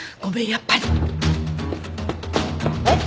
やっぱり。えっ？